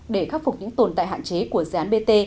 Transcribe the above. để khắc phục những tồn tại hạn chế của dự án bt